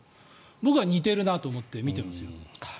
僕は似てるなと思って見てますよ。